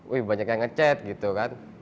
wih banyak yang ngecet gitu kan